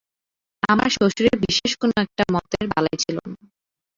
আমার শ্বশুরের বিশেষ কোনো একটা মতের বালাই ছিল না।